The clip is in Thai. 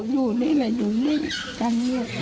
อยู่ด้วยแหละอยู่ด้วยกัน